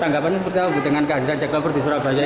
tanggapannya seperti ada kehadiran jack lovers di surabaya